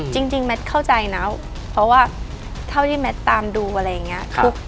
แมทเข้าใจนะเพราะว่าเท่าที่แมทตามดูอะไรอย่างนี้